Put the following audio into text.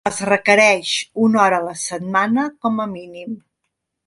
Es requereix una hora a la setmana com a mínim.